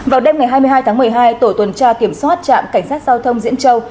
vào đêm ngày hai mươi hai tháng một mươi hai tổ tuần tra kiểm soát trạm cảnh sát giao thông diễn châu